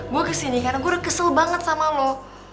gue kesini karena gue udah kesel banget sama lo